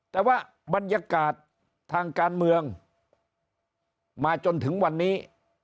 แต่ว่าบรรยากาศทางการเมืองมาจนถึงวันนี้